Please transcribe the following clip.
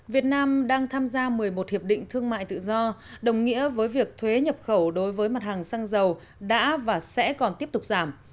việt nam đang tham gia một mươi một hiệp định thương mại tự do đồng nghĩa với việc thuế nhập khẩu đối với mặt hàng xăng dầu đã và sẽ còn tiếp tục giảm